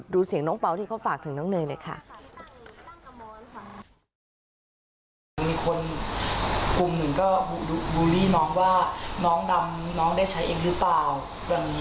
ดูเสียงน้องเบาที่เขาฝากถึงน้องเนย